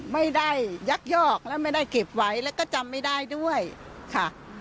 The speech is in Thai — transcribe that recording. ยักยอกและไม่ได้เก็บไว้แล้วก็จำไม่ได้ด้วยค่ะ